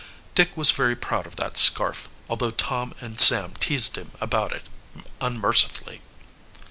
Dick was very proud of that scarf, although Tom and Sam teased him about it unmercifully.